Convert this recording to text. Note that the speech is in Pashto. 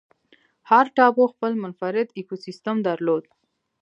هر ټاپو خپل منفرد ایکوسیستم درلود.